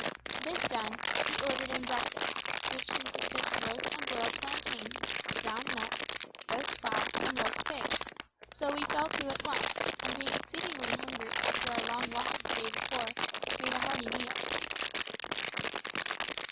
This done, he ordered in breakfast, which consisted of roast and boiled plantains, ground nuts, roast fowl, and roast pig; so we fell to at once, and being exceedingly hungry after our long walk of the day before, made a hearty meal.